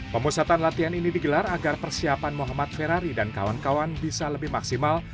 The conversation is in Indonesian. pemusatan latihan ini digelar agar persiapan muhammad ferrari dan kawan kawan bisa lebih maksimal